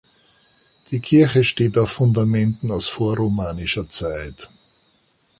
Die Kirche steht auf Fundamenten aus vorromanischer Zeit.